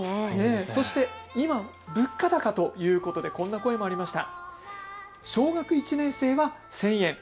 今、物価高ということでこんな声もありました。